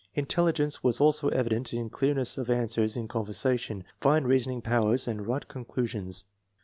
In telligence was also evident in clearness of answers in conversation, fine reasoning powers and right conclu sions.